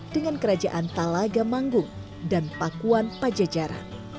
dengan kerajaan talaga manggung dan pakuan pajajaran